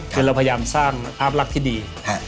คือเราพยายามสร้างภาพลักษณ์ที่ดี